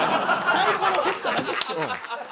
サイコロ振っただけですよ。